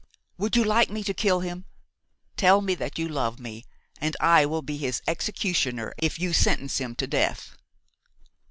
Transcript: Would you like me to kill him? Tell me that you love me, and I will be his executioner if you sentence him to death."